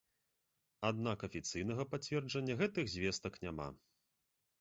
Аднак афіцыйнага пацверджання гэтых звестак няма.